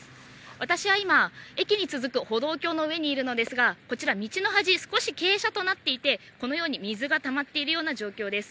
私は今、駅に続く歩道橋の上にいるんですが、こちら、道の端、少し傾斜となっていて、このように水がたまっているような状況です。